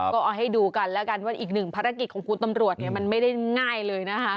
ก็เอาให้ดูกันแล้วกันว่าอีกหนึ่งภารกิจของคุณตำรวจเนี่ยมันไม่ได้ง่ายเลยนะคะ